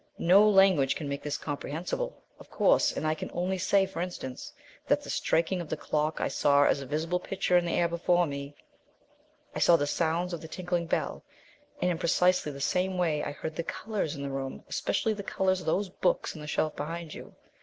No language can make this comprehensible, of course, and I can only say, for instance, that the striking of the clock I saw as a visible picture in the air before me. I saw the sounds of the tinkling bell. And in precisely the same way I heard the colours in the room, especially the colours of those books in the shelf behind you.